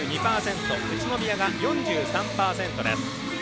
宇都宮が４３％です。